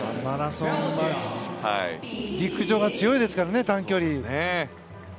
マラソン陸上が強いですからね、短距離。